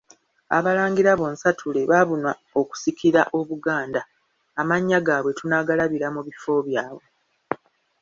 Abalangira bonsatule baabuna okusikira Obuganda, amannya gaabwe tunaagalabira mu bifo byabwe.